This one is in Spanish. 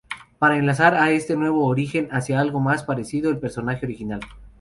Para enlazar a este nuevo origen hacía algo más parecido al personaje original.